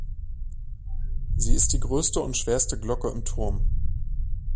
Sie ist die größte und schwerste Glocke im Turm.